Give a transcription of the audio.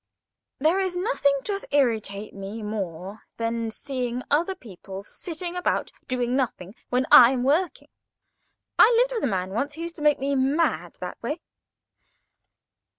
There is nothing does irritate me more than seeing other people sitting about doing nothing when I'm working. I lived with a man once who used to make me mad that way.